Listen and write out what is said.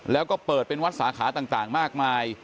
แล้วก็เปิดเป็นวัดสาขาต่างมากมาย